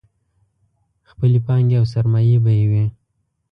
خپلې پانګې او سرمایې به یې وې.